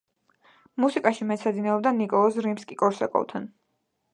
მუსიკაში მეცადინეობდა ნიკოლოზ რიმსკი-კორსაკოვთან.